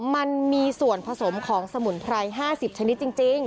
มันมีส่วนผสมของสมุนไพร๕๐ชนิดจริง